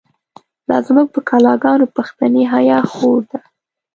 لازموږ په کلاګانو، پښتنی حیا خو ره ده